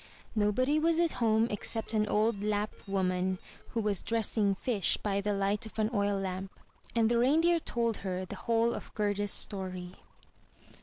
Nobody was at home except an old Lapp woman, who was dressing fish by the light of an oil lamp. And the Reindeer told her the whole of Gerda's story.